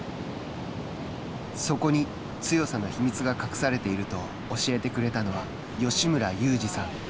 そこに、強さの秘密が隠されていると教えてくれたのは吉村裕次さん。